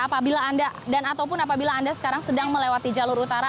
apabila anda dan ataupun apabila anda sekarang sedang melewati jalur utara